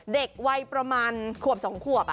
เด็กวัยประมาณขวบ๒ขวบ